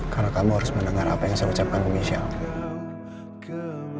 karena kamu harus mendengar apa yang saya ucapkan ke michelle